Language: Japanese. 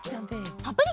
パプリカ！